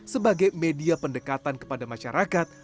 sebagai media pendekatan kepada masyarakat